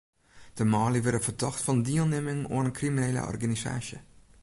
De manlju wurde fertocht fan dielnimming oan in kriminele organisaasje.